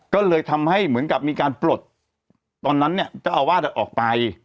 ก็เลยทำให้เหมือนกับมีการปลดตอนนั้นเนี่ยเจ้าอาวาสออกไป